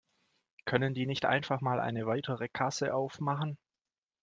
Können die nicht einfach mal eine weitere Kasse aufmachen?